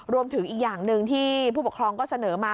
รวมถึงอีกอย่างหนึ่งที่ผู้ปกครองก็เสนอมา